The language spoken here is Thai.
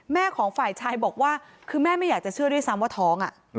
ของฝ่ายชายบอกว่าคือแม่ไม่อยากจะเชื่อด้วยซ้ำว่าท้อง